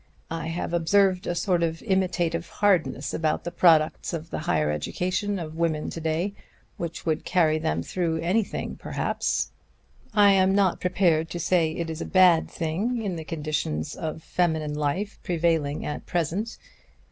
I have observed a sort of imitative hardness about the products of the higher education of women to day which would carry them through anything, perhaps. I am not prepared to say it is a bad thing in the conditions of feminine life prevailing at present.